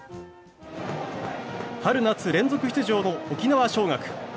春夏連続出場の沖縄尚学。